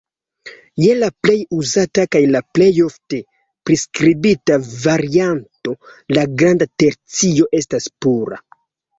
Je la plej uzata kaj la plejofte priskribita varianto la granda tercio estas pura.